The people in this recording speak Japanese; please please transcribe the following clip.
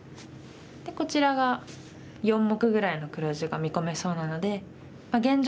でこちらが４目ぐらいの黒地が見込めそうなので現状